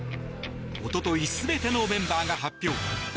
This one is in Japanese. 一昨日、全てのメンバーが発表。